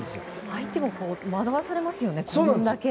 相手も惑わされますよね。